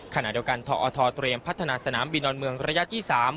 ขณะเดียวกันทอทเตรียมพัฒนาสนามบินดอนเมืองระยะที่๓